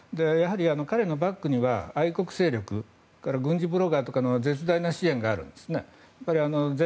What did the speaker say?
彼のバックには愛国勢力軍事ブロガーからの絶大な支援があるんです。